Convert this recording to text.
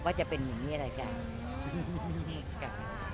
ว่าจะเป็นอย่างนี้แหละค่ะขอบคุณค่ะขอบคุณค่ะ